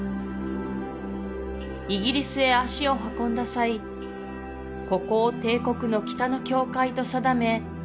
イギリスへ足を運んだ際ここを帝国の北の境界と定め